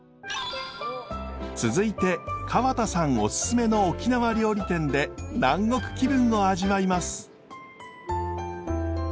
続いて川田さんおすすめの沖縄料理店で南国気分を味わいます。